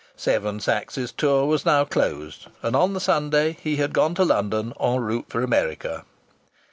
Seven Sachs's tour was now closed, and on the Sunday he had gone to London, en route for America.